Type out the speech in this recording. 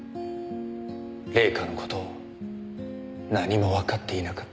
礼夏の事を何もわかっていなかった。